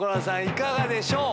いかがでしょう？